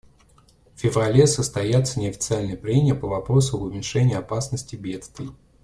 В феврале состоятся неофициальные прения по вопросу об уменьшении опасности бедствий.